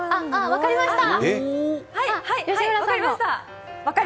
分かりました！